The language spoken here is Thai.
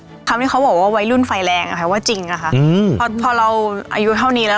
คำอย่างที่เขาบอกว่าไว้รุ่นไฟแรงแผลว่าจริงอ่ะค่ะอืมพอพอเราอายุเท่านี้แล้ว